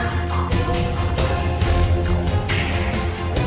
mama punya rencana